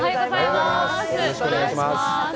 よろしくお願いします。